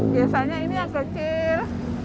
biasanya ini yang kecil